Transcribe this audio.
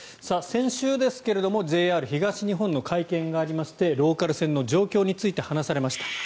先週ですがＪＲ東日本の会見がありましてローカル線の状況について話されました。